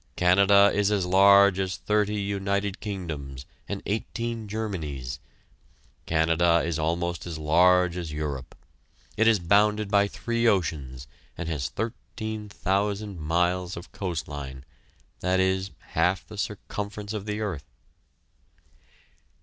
Canada is as large as thirty United Kingdoms and eighteen Germanys. Canada is almost as large as Europe. It is bounded by three oceans and has thirteen thousand miles of coast line, that is, half the circumference of the earth.